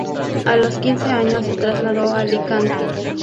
A los quince años se trasladó a Alicante.